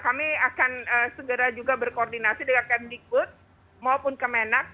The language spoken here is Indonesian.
kami akan segera juga berkoordinasi dengan kmdikbud maupun kemenat